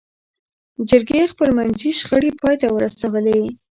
جرګې خپلمنځي شخړې پای ته ورسولې.